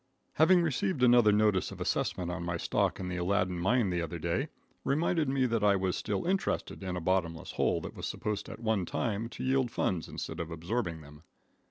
Receiving another notice of assessment on my stock in the Aladdin mine the other day, reminded me that I was still interested in a bottomless hole that was supposed at one time to yield funds instead of absorbing them.